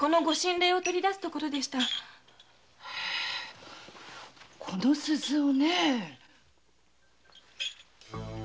へぇこの鈴をねぇ。